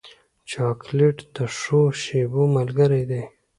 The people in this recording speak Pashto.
چاکلېټ د ښو شېبو ملګری دی.